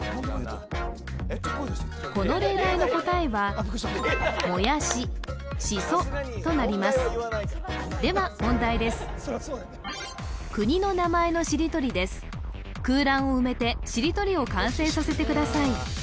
この例題の答えはとなりますでは問題です国の名前のしりとりです空欄を埋めてしりとりを完成させてください・